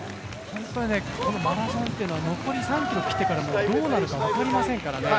マラソンっていうのは残り３ｋｍ切ってからどうなるか分かりませんからね。